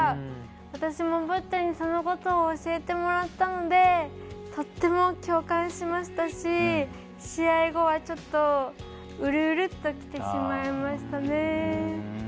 私もボッチャにそのことを教えてもらったのでとっても共感しましたし試合後はちょっとうるうるっときてしまいましたね。